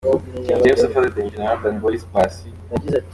King James afatanyije na Urban Boyz, Paccy, M.